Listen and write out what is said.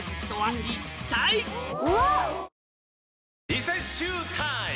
リセッシュータイム！